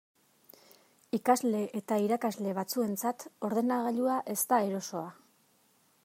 Ikasle eta irakasle batzuentzat ordenagailua ez da erosoa.